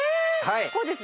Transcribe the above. はい。